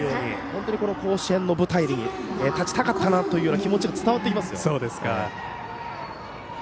本当に甲子園の舞台に立ちたかったなという気持ちが伝わってきます。